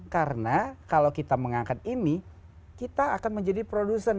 karena kalau kita mengangkat ini kita akan menjadi produsen